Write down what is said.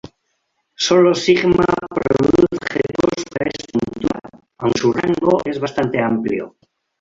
Solo Sigma produce objetivos para esta montura, aunque su rango es bastante amplio.